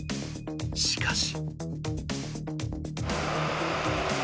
しかし。